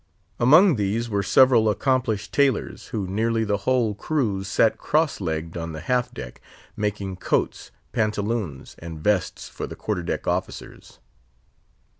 Among these were several accomplished tailors, who nearly the whole cruise sat cross legged on the half deck, making coats, pantaloons, and vests for the quarter deck officers.